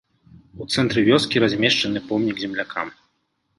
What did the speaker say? У цэнтры вёскі размешчаны помнік землякам.